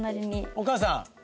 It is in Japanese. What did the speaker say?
お母さん！